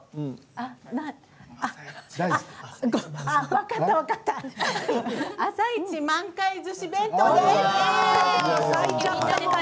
分かった分かった「「あさイチ」満開すし弁当」です。